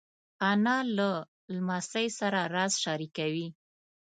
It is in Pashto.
انا له لمسۍ سره راز شریکوي